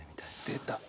出た。